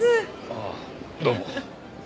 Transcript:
あっどうも。